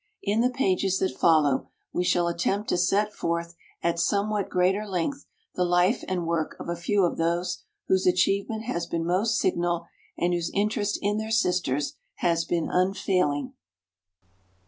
In the pages that follow we shall attempt to set forth at somewhat greater length the life and work of a few of those whose achievement has been most signal and whose interest in their sisters has been unfailing.